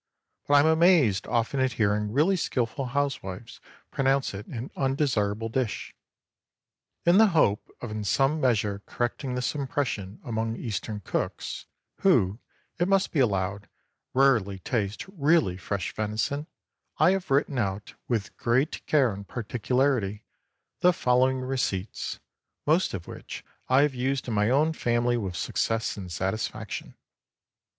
But I am amazed often at hearing really skilful housewives pronounce it an undesirable dish. In the hope of in some measure correcting this impression among Eastern cooks, who, it must be allowed, rarely taste really fresh venison, I have written out, with great care and particularity, the following receipts, most of which I have used in my own family with success and satisfaction.